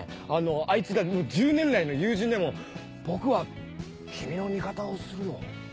あいつが十年来の友人でも僕は君の味方をするよ。